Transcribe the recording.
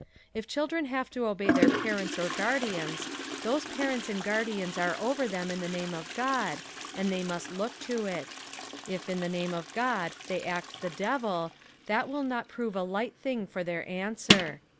If children have to obey their parents or guardians, those parents and guardians are over them in the name of God, and they must look to it: if in the name of God they act the devil, that will not prove a light thing for their answer.